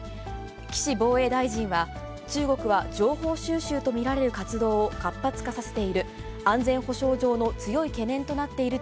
岸防衛大臣は、中国は情報収集と見られる活動を活発化させている。